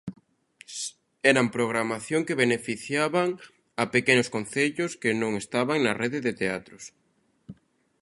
Eran programación que beneficiaban a pequenos concellos que non estaban na rede de teatros.